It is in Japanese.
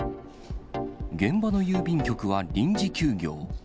現場の郵便局は臨時休業。